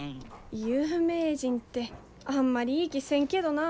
有名人ってあんまりいい気せんけどなあ。